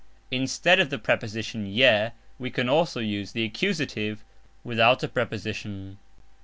Instead of the preposition "je" we can also use the accusative without a preposition.